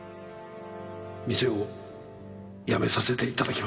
店を辞めさせていただきます。